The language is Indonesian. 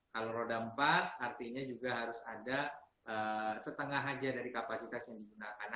kalau roda empat artinya juga harus ada setengah saja dari kapasitas yang digunakan